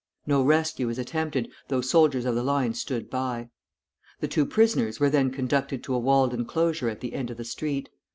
No rescue was attempted, though soldiers of the line stood by. The two prisoners were then conducted to a walled enclosure at the end of the street.